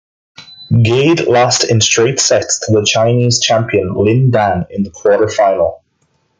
Gade lost in straight sets to the Chinese champion Lin Dan in the quarter-final.